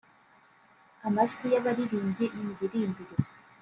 amajwi y’abarirmbyi n’imiririmbire